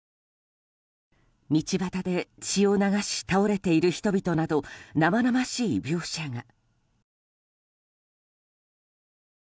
道端で血を流し倒れている人々など生々しい描写が。